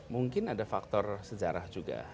mungkin ada faktor sejarah juga